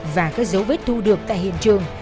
và các dấu vết thu được tại hiện trường